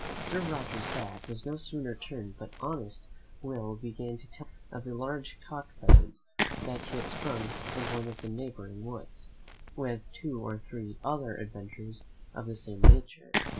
Sir Roger's back was no sooner turned but honest Will began to tell me of a large cock pheasant that he had sprung in one of the neighbouring woods, with two or three other adventures of the same nature.